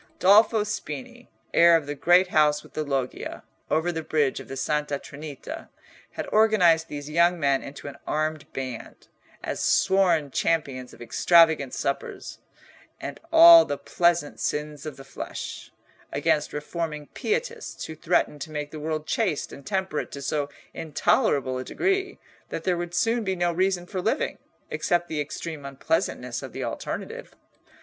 Dolfo Spini, heir of the great house with the loggia, over the bridge of the Santa Trinita, had organised these young men into an armed band, as sworn champions of extravagant suppers and all the pleasant sins of the flesh, against reforming pietists who threatened to make the world chaste and temperate to so intolerable a degree that there would soon be no reason for living, except the extreme unpleasantness of the alternative.